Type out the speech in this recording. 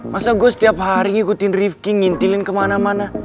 masa gue setiap hari ngikutin rifki ngintilin kemana mana